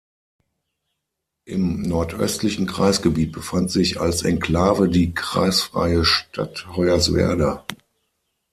Im nordöstlichen Kreisgebiet befand sich als Enklave die kreisfreie Stadt Hoyerswerda.